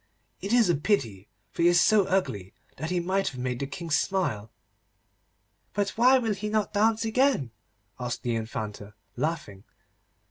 It is a pity, for he is so ugly that he might have made the King smile.' 'But why will he not dance again?' asked the Infanta, laughing.